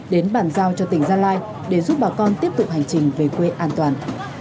đến bàn giao cho tỉnh gia lai để giúp bà con tiếp tục hành trình về quê an toàn